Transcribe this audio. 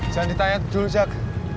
jangan ditanya dulu zak